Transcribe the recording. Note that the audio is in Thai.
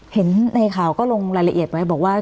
เห็นในข่าวก็ลงรายละเอียดไว้บอกว่า